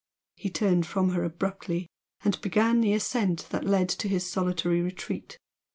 He turned from her abruptly and began the ascent that led to his solitary retreat.